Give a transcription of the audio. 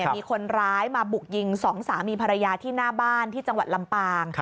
มีคนร้ายมาบุกยิง๒สามีภรรยาที่หน้าบ้านที่จังหวัดลำปาง